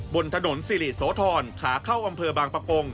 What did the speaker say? บนถนนสิริโสธรขาเข้าอำเภอบางปะกง